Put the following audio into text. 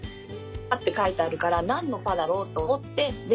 「パ」って書いてあるから何の「パ」だろうと思ってで